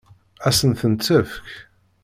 Ad sen-ten-tefk?